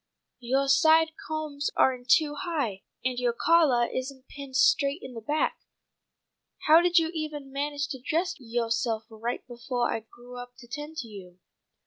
Yoah side combs are in too high, and yoah collah isn't pinned straight in the back. How did you evah manage to dress yoahself right befoah I grew up to tend to you?"